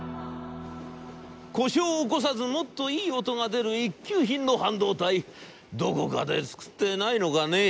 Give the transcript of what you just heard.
「『故障を起こさずもっといい音が出る一級品の半導体どこかで作ってないのかねぇ』。